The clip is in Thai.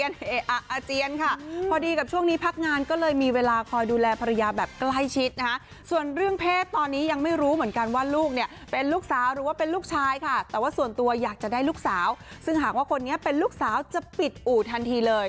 ไม่มีอะไรแพ้มากมายเป็นแพ้แปลว่าอยากจะกินอะไรอร่อย